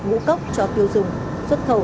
ngũ cốc cho tiêu dùng xuất khẩu